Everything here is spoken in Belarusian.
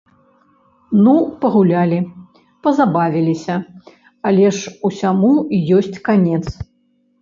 Ну, пагулялі, пазабавіліся, але ж усяму ёсць канец.